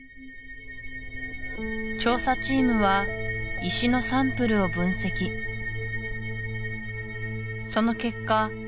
調査チームは石のサンプルを分析その結果